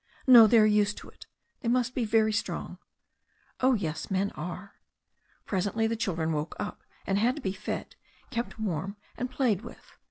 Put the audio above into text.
"No, they are used to it." "They must be very strong." "Oh, yes, men are." Presently the children woke up, and had to be fed, kept warm, and played with.